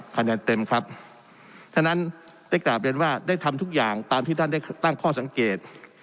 คะแนนเต็มครับฉะนั้นได้กราบเรียนว่าได้ทำทุกอย่างตามที่ท่านได้ตั้งข้อสังเกต